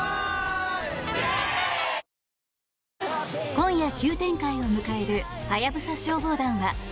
今夜、急展開を迎える「ハヤブサ消防団」は。